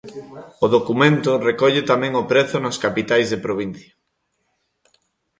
O documento recolle tamén o prezo nas capitais de provincia.